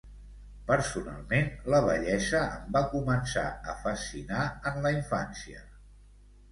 Personalment, la bellesa em va començar a fascinar en la infància.